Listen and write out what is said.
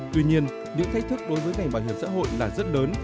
tuy nhiên những thách thức đối với ngành bảo hiểm xã hội là rất lớn